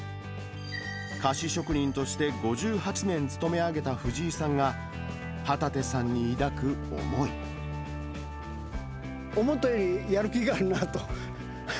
菓子職人として５８年つとめあげた藤井さんが、旗手さんに抱く思思ったよりやる気があるなと。